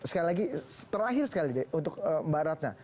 sekali lagi terakhir sekali untuk mbak ratna